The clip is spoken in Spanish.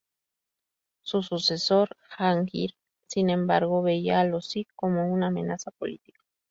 Su sucesor Jahangir, sin embargo, veía a los Sij como una amenaza política.